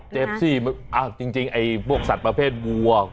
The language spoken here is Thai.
เจ็บสิมันจริงพวกสัตว์ประเภทวัว